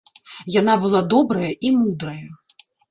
Яна была добрая і мудрая.